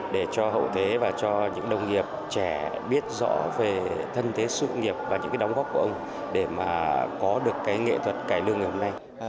để cho hậu thế và cho những đồng nghiệp trẻ biết rõ về thân thế sự nghiệp và những cái đóng góp của ông để mà có được cái nghệ thuật cải lương ngày hôm nay